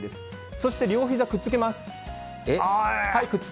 そして、両ひざをくっつけます。